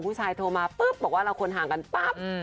ผู้ชายโทรมาปุ๊บบอกว่าเราควรห่างกันปั๊บ